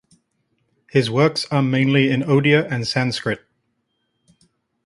His works are mainly in Odia and Sanskrit.